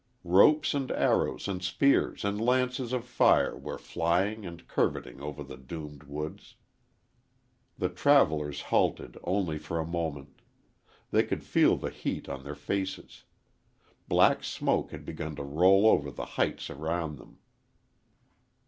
Ropes and arrows and spears and lances of fire were flying and curveting over the doomed woods. The travellers halted only for a moment. They could feel the heat on their faces. Black smoke had begun to roll over the heights around them.